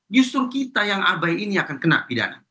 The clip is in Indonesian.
justru kita yang abai ini akan kena pidana